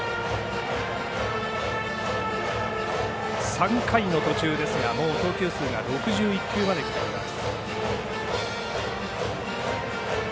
３回の途中ですがもう投球数が６１球まできています。